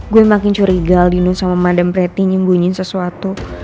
gue makin curiga alinut sama madame pretty nyembunyiin sesuatu